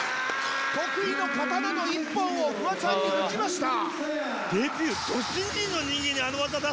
得意の刀の一本をフワちゃんに抜きました！